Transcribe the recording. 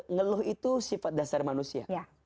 ngeluh itu sifat dasar manusia